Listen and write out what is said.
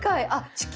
地球。